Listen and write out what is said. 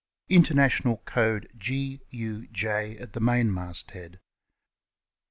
International code YP at the mainmast head.